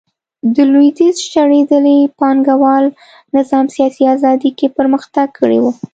د لوېدیځ شړېدلي پانګوال نظام سیاسي ازادي کې پرمختګ کړی و